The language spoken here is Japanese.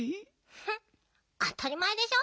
フンあたりまえでしょ。